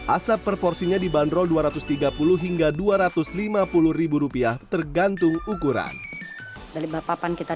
asap proporsinya dibanderol dua ratus tiga puluh hingga dua ratus lima puluh rupiah tergantung ukuran dari bapak bapak kita